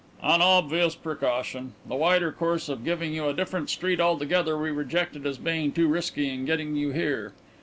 "An obvious precaution. The wider course of giving you a different street altogether we rejected as being too risky in getting you here.